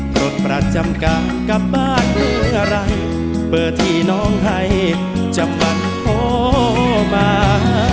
โทษประจำกับกับบ้านหรืออะไรเบอร์ที่น้องไทยจะมันโทษมา